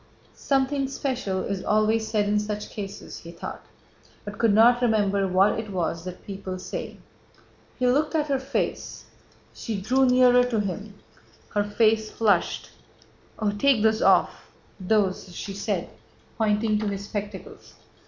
"Something special is always said in such cases," he thought, but could not remember what it was that people say. He looked at her face. She drew nearer to him. Her face flushed. "Oh, take those off... those..." she said, pointing to his spectacles.